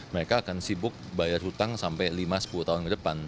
mereka akan sibuk bayar hutang sampai lima sepuluh tahun ke depan